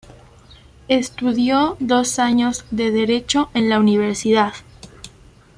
Estudió dos años de Derecho en la universidad.